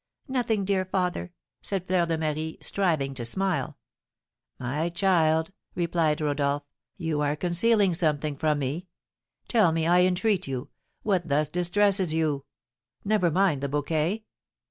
"Nothing, dear father," said Fleur de Marie, striving to smile. "My child," replied Rodolph, "you are concealing something from me; tell me, I entreat you, what thus distresses you. Never mind the bouquet."